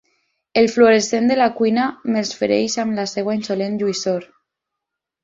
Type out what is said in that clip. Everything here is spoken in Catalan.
El fluorescent de la cuina me'ls fereix amb la seva insolent lluïssor.